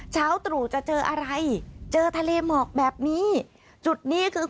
เช้าตรู่จะเจออะไรเจอทะเลหมอกแบบนี้จุดนี้คือ